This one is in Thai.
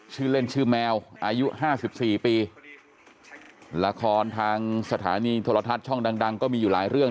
ชื่อเล่นชื่อแมวอายุห้าสิบสี่ปีละครทางสถานีโทรทัศน์ช่องดังดังก็มีอยู่หลายเรื่อง